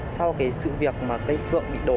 sau cái sự việc mà cây phượng bị đổ